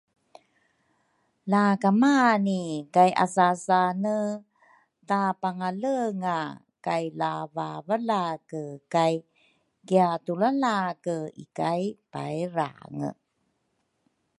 Lakamani kayasasane tapangalenga kay lavavalake kay kiatulalake ikay pairange